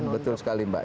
betul sekali mbak